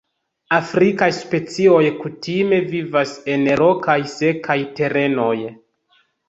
Afrikaj specioj kutime vivas en rokaj, sekaj terenoj.